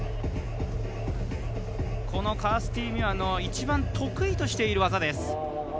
このカースティ・ミュアの一番得意としている技です。